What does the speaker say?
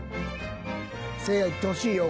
せいや、いってほしいよ！